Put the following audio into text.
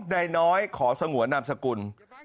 นายน้อยขอสงวนนามสกุล